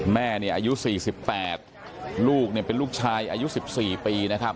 แม่อายุ๔๘ลูกเป็นลูกชายอายุ๑๔ปี